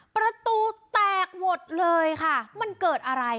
ประตูแตกหมดเลยค่ะมันเกิดอะไร